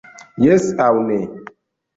Jes aŭ ne!